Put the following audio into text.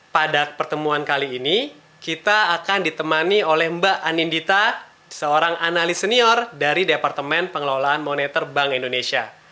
pada pertemuan kali ini kita akan ditemani oleh mbak anindita seorang analis senior dari departemen pengelolaan moneter bank indonesia